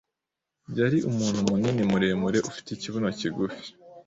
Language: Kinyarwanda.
Yari umuntu munini muremure ufite ikibuno kigufi